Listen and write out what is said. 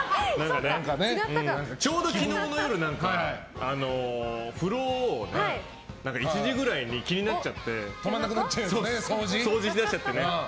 ちょうど昨日の夜風呂を１時くらいに気になっちゃって掃除しだしちゃってね。